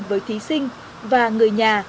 với thí sinh và người nhà